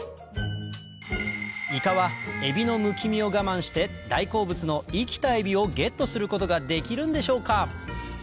イカはエビのむき身をガマンして大好物の生きたエビをゲットすることができるんでしょうか？